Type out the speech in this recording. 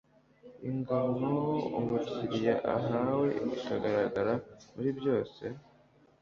ingano umukiriya ahawe ikagaragara muri byose